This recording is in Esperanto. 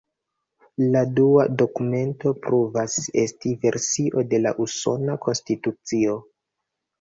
La dua dokumento pruvas esti versio de la Usona Konstitucio.